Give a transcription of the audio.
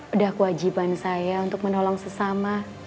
udah kewajiban saya untuk menolong sesama